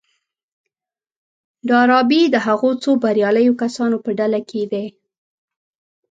ډاربي د هغو څو برياليو کسانو په ډله کې دی.